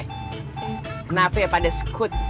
kenapa pada sekut